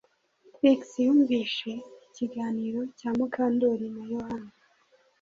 Trix yumvise ikiganiro cya Mukandoli na Yohana